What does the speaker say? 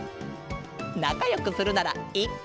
なかよくするならいっか！